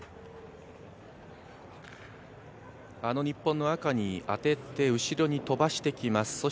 日本の赤に当てて、後ろに飛ばしてきます。